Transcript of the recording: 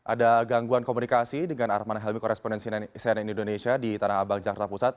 ada gangguan komunikasi dengan arman helmi korespondensi cnn indonesia di tanah abang jakarta pusat